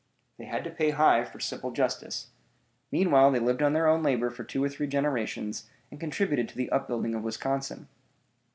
They had to pay high for simple justice. Meanwhile they lived on their own labor for two or three generations, and contributed to the upbuilding of Wisconsin.